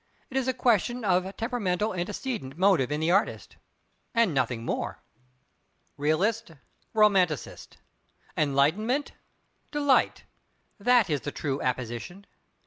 It is a question of temperamental antecedent motive in the artist, and nothing more. Realist—Romanticist! Enlightenment—Delight! That is the true apposition.